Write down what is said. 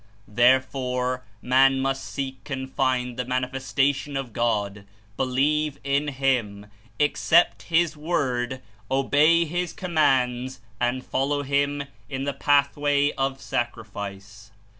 Therefore man must seek and find the Mani festation of God, believe in Him, accept His Word, obey His Commands, and follow Him in the path way of sacrifice.